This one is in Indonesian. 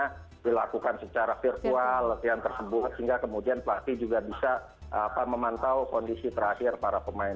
bisa dilakukan secara virtual latihan tersebut sehingga kemudian pelatih juga bisa memantau kondisi terakhir para pemain